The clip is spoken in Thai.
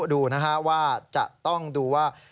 ดูนะฮะว่าจะต้องดูว่า